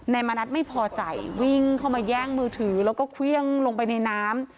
มณัฐไม่พอใจวิ่งเข้ามาแย่งมือถือแล้วก็เครื่องลงไปในน้ำ